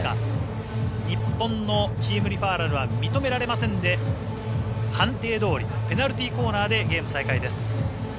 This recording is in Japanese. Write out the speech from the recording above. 日本のチームリファーラルは認められませんで判定どおりペナルティーコーナーでゲーム再開です。